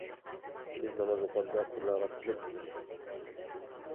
بىز ناماز ئوقۇغاندا قۇرلارغا تىزىلىپ ئوقۇيمىز.